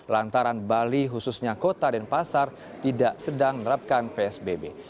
lantaran bali khususnya kota denpasar tidak sedang menerapkan psbb